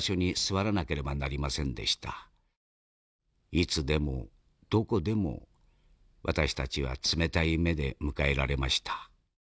いつでもどこでも私たちは冷たい目で迎えられました。